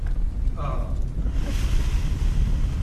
Aɣ!